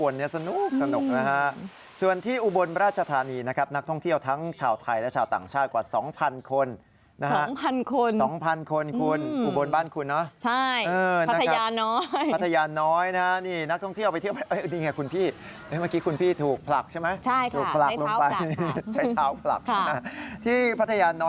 ชอบค่ะคุณเคยเล่นที่เป็นน้ำบนเนี่ย